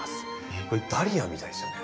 ダリアみたいですよね。